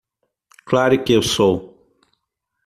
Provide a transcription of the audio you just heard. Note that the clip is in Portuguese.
Claro que eu sou!